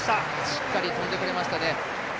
しっかり跳んでくれましたね。